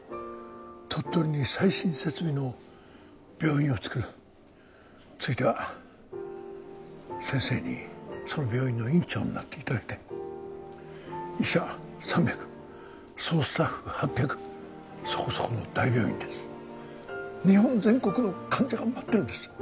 鳥取に最新設備の病院をつくるついては先生にその病院の院長になっていただきたい医者３００総スタッフ８００そこそこの大病院です日本全国の患者が待ってるんです